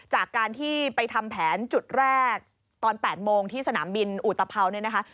จากการที่ไปทำแผนจุดแรกตอน๘โมงที่สนามบินอุตภัวเนี่ยนะคะ